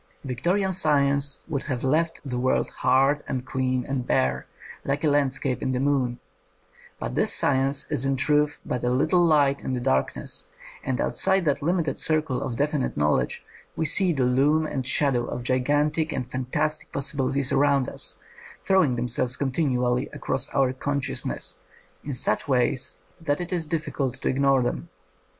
Victorian science would have left the world hard and clean and bare, like a land scape in the moon; but this science is in truth but a little light in the darkness, and outside that limited circle of definite knowl edge we see the loom and shadow of gigan tic and fantastic possibilities around us, throv^ing themselves continually across our consciousness in such ways that it is difficult to ignore them.